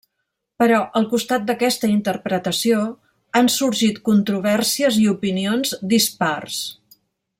Però, al costat d'aquesta interpretació, han sorgit controvèrsies i opinions dispars.